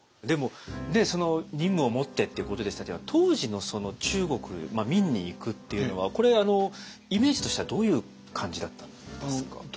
でも任務を持ってってことでしたけど当時の中国明に行くっていうのはこれイメージとしてはどういう感じだったんですか？